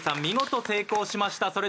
見事成功しました。